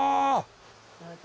どうぞ。